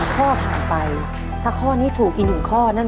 ข้อผ่านไปถ้าข้อนี้ถูกอีก๑ข้อนั่น